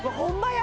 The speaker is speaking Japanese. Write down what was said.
や！